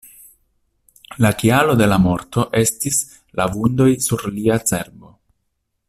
La kialo de la morto estis la vundoj sur lia cerbo.